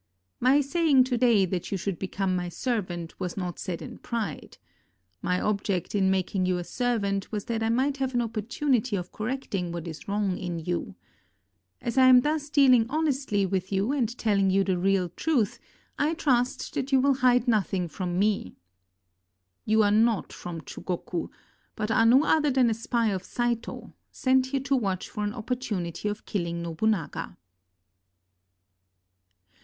My saying to day that you should become my servant was not said in pride. My object in making you a servant was that I might have an opportunity of correcting what is wrong in you. As I am thus dealing honestly with you and tell ing you the real truth, I trust that you will hide nothing from me. You are not from Chugoku, but are no other than a spy of Saito, sent here to watch for an opportu nity of killing Nobunaga."